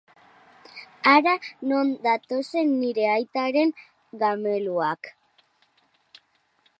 Hara non datozen nire aitaren gameluak!